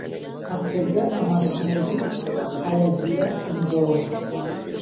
Atega amasunzu ayagira inzora